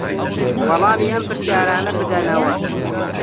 وەڵامی ئەم پرسیارانە بدەنەوە